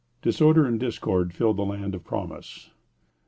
Disorder and discord filled the land of promise.